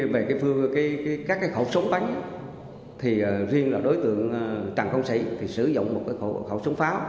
về các khẩu súng bắn riêng là đối tượng trần công sĩ sử dụng một khẩu súng pháo